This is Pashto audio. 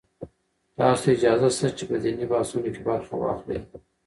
تاسو ته اجازه شته چې په دیني بحثونو کې برخه واخلئ.